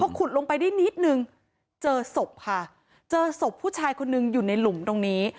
ขุดลงไปได้นิดนึงเจอศพค่ะเจอศพผู้ชายคนนึงอยู่ในหลุมตรงนี้